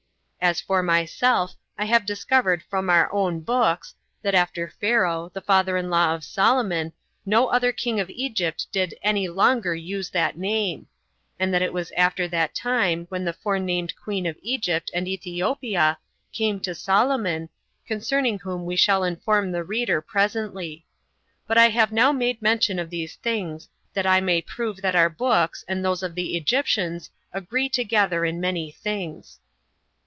As for myself, I have discovered from our own books, that after Pharaoh, the father in law of Solomon, no other king of Egypt did any longer use that name; and that it was after that time when the forenamed queen of Egypt and Ethiopia came to Solomon, concerning whom we shall inform the reader presently; but I have now made mention of these things, that I may prove that our books and those of the Egyptians agree together in many things.